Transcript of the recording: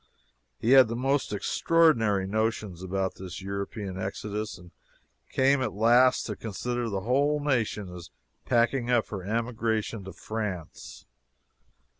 He had the most extraordinary notions about this European exodus and came at last to consider the whole nation as packing up for emigration to France.